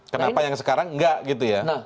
kenapa yang sekarang enggak gitu ya